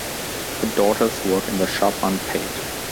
The daughters work in the shop unpaid.